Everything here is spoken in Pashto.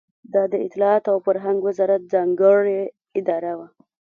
دا د اطلاعاتو او فرهنګ وزارت ځانګړې اداره وه.